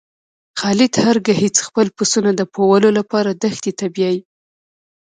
خالد هر ګیځ خپل پسونه د پوولو لپاره دښتی ته بیایی.